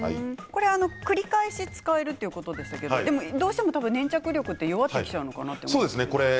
繰り返し使えるということですけど、どうしても粘着力って弱ってきちゃうのかなと思うんですけど。